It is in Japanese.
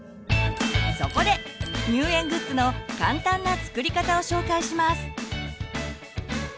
そこで入園グッズの簡単な作り方を紹介します。